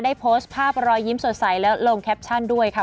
โพสต์ภาพรอยยิ้มสดใสแล้วลงแคปชั่นด้วยค่ะ